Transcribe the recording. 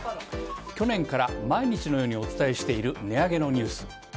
去年から毎日のようにお伝えしている値上げのニュース。